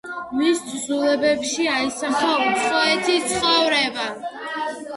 მის თხზულებებში აისახა უცხოეთის ცხოვრება.